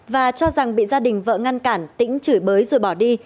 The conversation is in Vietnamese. và cho rằng bị gia đình vợ ngăn cản tĩnh chửi bới rồi bỏ đi